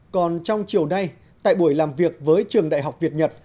còn trong chiều nay tại buổi làm việc với trường đại học việt nhật